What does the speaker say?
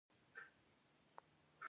د هرات په انجیل کې د مرمرو نښې شته.